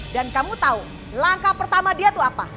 dan kamu tahu langkah pertama dia itu apa